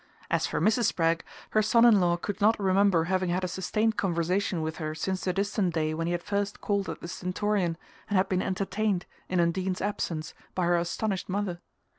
As for Mrs. Spragg, her son in law could not remember having had a sustained conversation with her since the distant day when he had first called at the Stentorian, and had been "entertained," in Undine's absence, by her astonished mother.